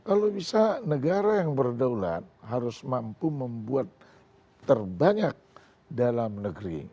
kalau bisa negara yang berdaulat harus mampu membuat terbanyak dalam negeri